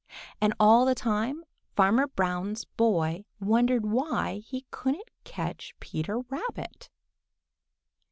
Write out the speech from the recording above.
And all the time Farmer Brown's boy wondered and wondered why he couldn't catch Peter Rabbit.